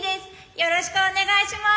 よろしくお願いします。